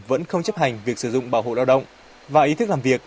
vẫn không chấp hành việc sử dụng bảo hộ lao động và ý thức làm việc